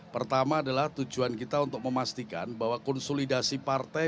pertama adalah tujuan kita untuk memastikan bahwa konsolidasi partai